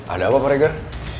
ada apa paregar